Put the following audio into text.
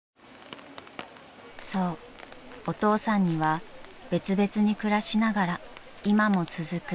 ［そうお父さんには別々に暮らしながら今も続く